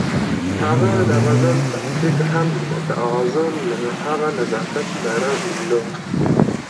د هغه د غزل تکنيک هم د تغزل هغه نزاکت لرلو